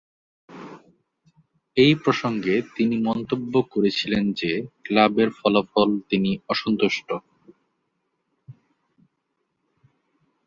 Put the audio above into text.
এ প্রসঙ্গে তিনি মন্তব্য করেছিলেন যে, ক্লাবের ফলাফল তিনি অসন্তুষ্ট।